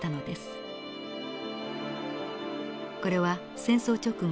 これは戦争直後